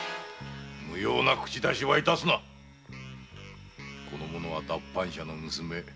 無用な口出しは致すなこの者は脱藩者の娘。